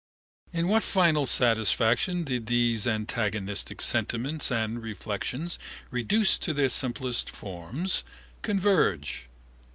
In what final satisfaction did these antagonistic sentiments and reflections, reduced to their simplest forms, converge?